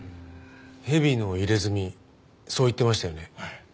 蛇の入れ墨そう言ってましたよね。